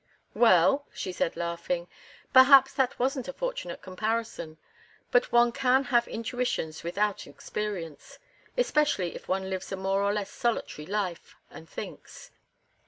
"Well," she said, laughing, "perhaps that wasn't a fortunate comparison. But one can have intuitions without experience, especially if one lives a more or less solitary life, and thinks.